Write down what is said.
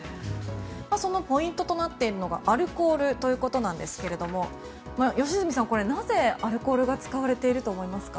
そのポイントとなっているのがアルコールということですけど良純さん、なぜアルコールが使われていると思いますか？